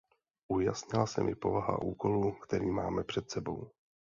Ujasnila se mi povaha úkolu, který máme před sebou.